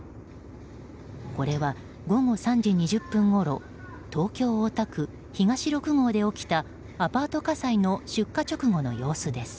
これは午後３時２０分ごろ東京・大田区東六郷で起きたアパート火災の出火直後の様子です。